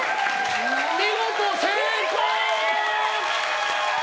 見事、成功！